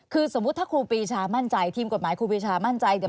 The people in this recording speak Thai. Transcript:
คือสมมุติถ้าครูปีชามั่นใจทีมกฎหมายครูปีชามั่นใจเดี๋ยว